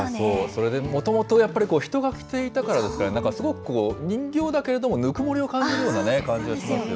それで、もともとやっぱり人が着ていたからですかね、なんかすごくこう、人形だけれども、ぬくもりを感じるようなね、感じがしますよね。